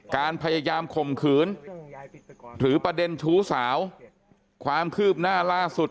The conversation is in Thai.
การพยายามข่มขืนหรือประเด็นชู้สาวความคืบหน้าล่าสุด